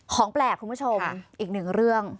ของแปลกคุณผู้ชมอีกหนึ่งเรื่อง